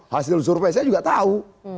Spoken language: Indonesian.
hasil survei saya juga tahu